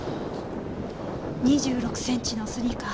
２６センチのスニーカー。